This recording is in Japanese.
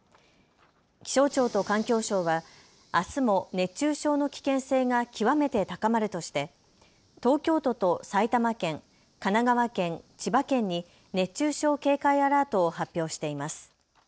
気象庁と環境省はあすも熱中症の危険性が極めて高まるとして東京都と埼玉県、神奈川県、千葉県に熱中症警戒アラートを発表しています。